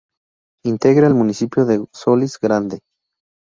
Integra el municipio de Solís Grande.